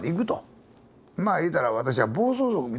まあ言うたら私は暴走族みたいなもんやな。